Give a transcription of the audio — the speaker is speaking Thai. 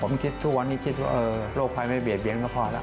ผมคิดทุกวันนี้คิดว่าโรคภัยไม่เบียดเบียนก็พอแล้ว